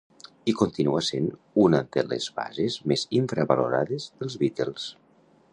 I continua sent una de les bases més infravalorades dels Beatles.